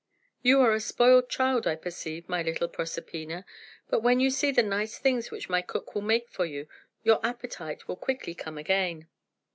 "You are a spoiled child, I perceive, my little Proserpina; but when you see the nice things which my cook will make for you, your appetite will quickly come again."